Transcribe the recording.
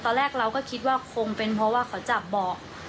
ตอนแรกเราก็คิดว่าคงเป็นเพราะว่าเขาจับเบาะ